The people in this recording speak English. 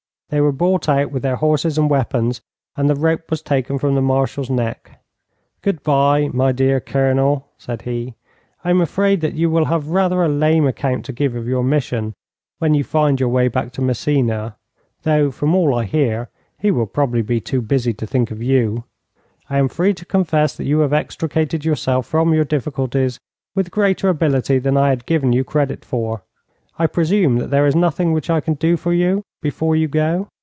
They were brought out with their horses and weapons, and the rope was taken from the Marshal's neck. 'Good bye, my dear Colonel,' said he. 'I am afraid that you will have rather a lame account to give of your mission, when you find your way back to Massena, though, from all I hear, he will probably be too busy to think of you. I am free to confess that you have extricated yourself from your difficulties with greater ability than I had given you credit for. I presume that there is nothing which I can do for you before you go?'